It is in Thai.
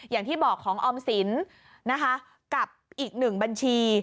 อย่างที่บอกของออมสินนะคะกับอีกหนึ่งบัญชี